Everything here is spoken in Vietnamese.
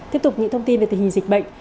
tiếp tục những thông tin về tình hình dịch bệnh